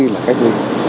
cách ly là cách ly